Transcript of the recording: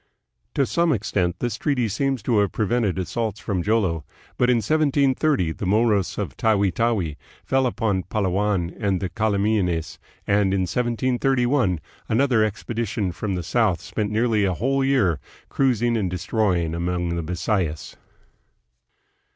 To some extent this treaty seems to have prevented assaults from Jolo, but in 1730 the Moros of Tawi Tawi fell upon Palawan and the Calamianes, and in 1731 another expedition from the south spent nearly a whole year cruising and destroying among the Bisayas.